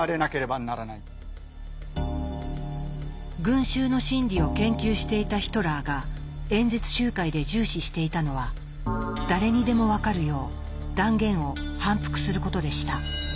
群衆の心理を研究していたヒトラーが演説集会で重視していたのは誰にでも分かるよう断言を反復することでした。